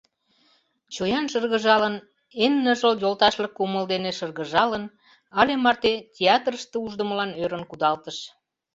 Чоян шыргыжалын, эн ныжыл йолташлык кумыл дене шыргыжалын, але марте театрыште уждымылан ӧрын кудалтыш.